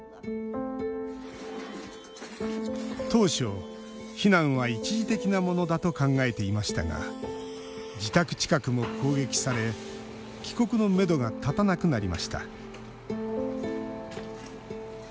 当初、避難は一時的なものだと考えていましたが自宅近くも攻撃され帰国のめどが立たなくなりました。